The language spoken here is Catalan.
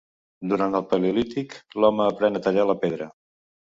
Durant el paleolític l'home aprèn a tallar la pedra.